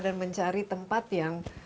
dan mencari tempat yang